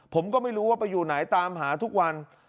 ผมก็ไม่รู้ว่าไปอยู่ไหนตามหาทุกวัน